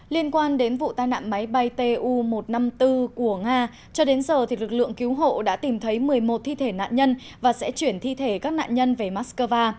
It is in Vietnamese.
liên quan đến vụ tai nạn máy bay tu một trăm năm mươi bốn của nga cho đến giờ lực lượng cứu hộ đã tìm thấy một mươi một thi thể nạn nhân và sẽ chuyển thi thể các nạn nhân về moscow